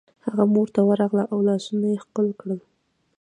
هغه مور ته ورغله او لاسونه یې ښکل کړل